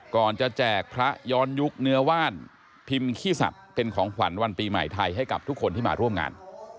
ก่อนจะแจกพระย้อนยุคเนื้อว่านพิมพ์ขี้สัตว์เป็นของขวัญวันปีใหม่ไทยให้กับทุกคนที่มาร่วมงาน